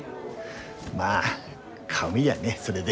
まあ顔見りゃねそれで。